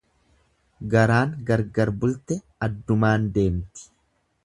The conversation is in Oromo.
Garaan gargar bulte addumaan deemti.